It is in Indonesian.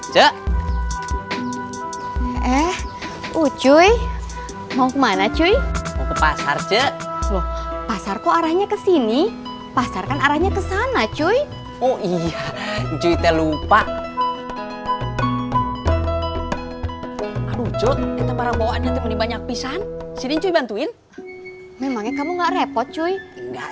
ceh eh ucuy mau kemana cuy pasar ceh pasarku arahnya ke sini pasarkan arahnya ke sana cuy oh iya pasarnya ke sini pasarkan arahnya kesana cuy oh iya pasar kok arahnya kesini pasarkan arahnya kesana cuy oh iya pasarkan arahnya kesana cuy oh iya